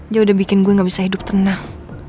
dia udah bikin gue gak bisa hidup tenang